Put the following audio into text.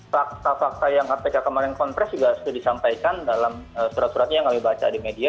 fakta fakta yang kpk kemarin konfresh juga sudah disampaikan dalam surat suratnya yang kami baca di media